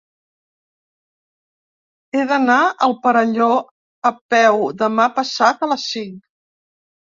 He d'anar al Perelló a peu demà passat a les cinc.